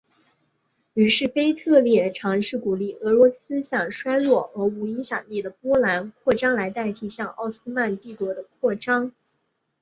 于是腓特烈尝试鼓励俄罗斯向衰弱而无影响力的波兰扩张来代替向奥斯曼帝国的扩张。